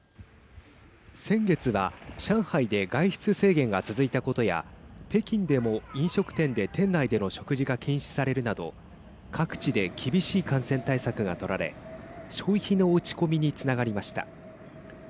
先月は上海で外出制限が続いたことや北京でも飲食店で店内での食事が禁止されるなど各地で厳しい感染対策が取られ消費の落ち込みにつながりました。